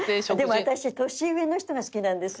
でも私年上の人が好きなんですよ。